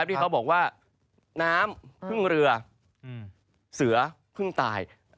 ที่เขาบอกว่าน้ำพึ่งเรือเสือเพิ่งตาย